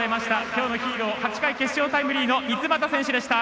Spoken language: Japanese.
きょうのヒーロー８回決勝タイムリーの三ツ俣選手でした。